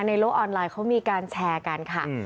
โลกออนไลน์เขามีการแชร์กันค่ะ